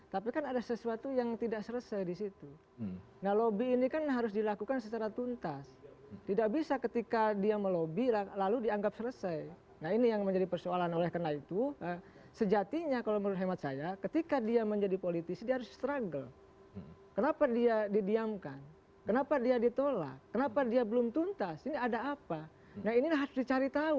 tapi kami harus break terlebih dulu kami akan segera kembali